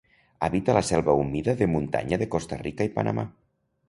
Habita la selva humida de muntanya de Costa Rica i Panamà.